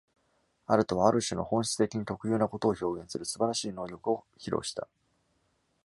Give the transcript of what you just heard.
アルトはある種の本質的に特有なことを表現する素晴らしい能力を披露した。